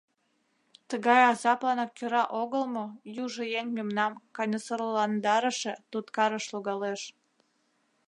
Тыгай азапланак кӧра огыл мо южо еҥ мемнам каньысырландарыше туткарыш логалеш.